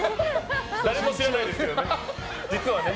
誰も知らないですけどね、実はね。